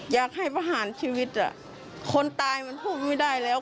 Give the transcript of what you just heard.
อยากให้ประหารชีวิตคนตายมันพูดไม่ได้แล้ว